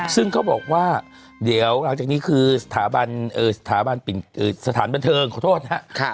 ซึ่งเขาบอกว่าเดี๋ยวหลังจากนี้คือสถาบันสถานบันเทิงขอโทษนะครับ